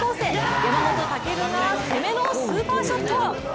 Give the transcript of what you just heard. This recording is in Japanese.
山本遵が攻めのスーパーショット！